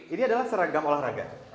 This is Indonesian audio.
ini adalah seragam olahraga